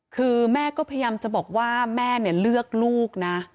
คือแม่ก็พยายามจะบอกว่าแม่เนี่ยเลือกลูกนะ